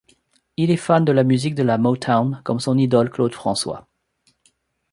Il est fan de la musique de la Motown, comme son idole Claude François.